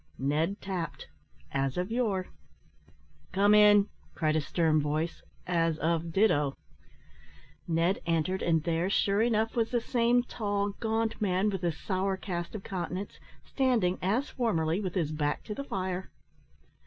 Ned tapped as of yore. "Come in," cried a stern voice as of ditto. Ned entered; and there, sure enough, was the same tall, gaunt man, with the sour cast of countenance, standing, (as formerly,) with his back to the fire.